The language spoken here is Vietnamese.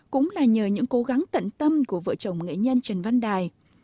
cũng là nhờ những cố gắng tận tâm của vợ chồng nghệ nhân trần văn đài